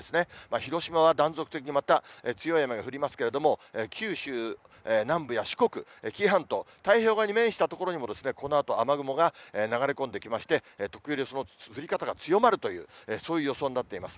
広島は断続的にまた強い雨が降りますけれども、九州南部や四国、紀伊半島、太平洋側に面した所も、このあと雨雲が流れ込んできまして、時折、その降り方が強まるという、そういう予想になっています。